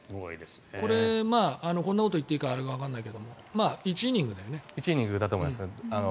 これ、こんなこと言っていいかわからないけど１イニングだと思います。